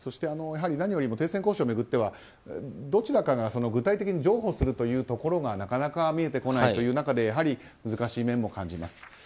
やはり何よりも停戦交渉を巡っては、どちらかが具体的に譲歩するところがなかなか見えてこない中で難しい面も感じます。